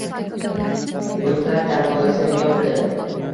Yurtlar darvozasin yopdi –